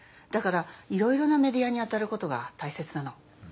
だからいろいろなメディアにあたることがたいせつなの。